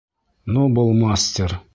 Ну был мастер!